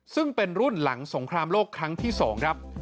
ซึ่งเป็นรุ่นหลังสงครามโลกครั้งที่๒ครับ